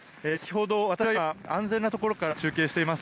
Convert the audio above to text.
私は今、安全なところから中継しています。